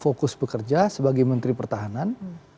fokus bekerja sebagai menteri pertahanan